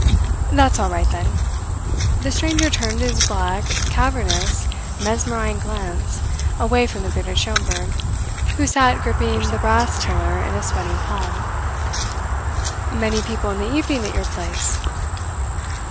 "That's all right, then." The stranger turned his black, cavernous, mesmerizing glance away from the bearded Schomberg, who sat gripping the brass tiller in a sweating palm. "Many people in the evening at your place?"